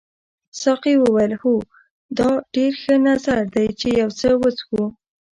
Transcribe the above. ساقي وویل هو دا ډېر ښه نظر دی چې یو څه وڅښو.